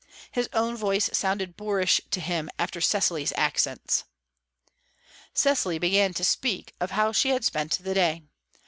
His own voice sounded boorish to him after Cecily's accents. Cecily began to speak of how she had spent the day.